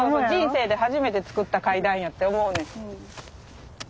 人生で初めてつくった階段やって思うねん。